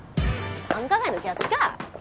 繁華街のキャッチか。